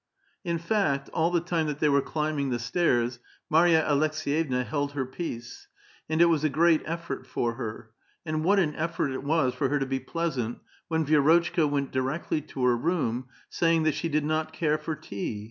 In fact, all the time that the}' were climbing the stairs, Marya Aleks^yevna held her peace ; and it was a great effort for her ; and what an effort it was for her to be pleas ant when Vi^rotchka went directly to her room, saying that she did not care for tea